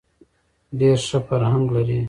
ډېر ښه فرهنګ لري.